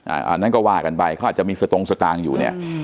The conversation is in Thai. อันนั้นก็ว่ากันไปเขาอาจจะมีสตงสตางค์อยู่เนี่ย